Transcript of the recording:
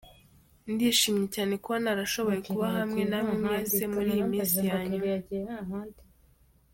"Ndishimye cyane kuba narashoboye kuba hamwe namwe mwese muri iyi minsi ya nyuma.